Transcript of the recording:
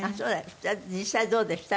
じゃあ実際どうでした？